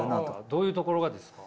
どういうところがですか？